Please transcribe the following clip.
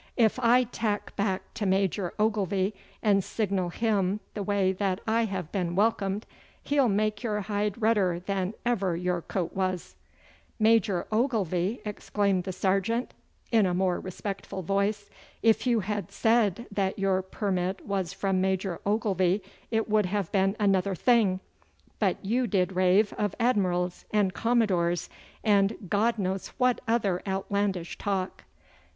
If I tack back to Major Ogilvy and signal him the way that I have been welcomed, he'll make your hide redder than ever your coat was.' 'Major Ogilvy!' exclaimed the sergeant, in a more respectful voice. 'If you had said that your permit was from Major Ogilvy it would have been another thing, but you did rave of admirals and commodores, and God knows what other outlandish talk!